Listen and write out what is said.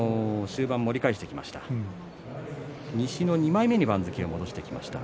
終盤、盛り返してきました。